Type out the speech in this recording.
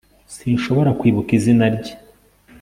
sinshobora kwibuka izina rye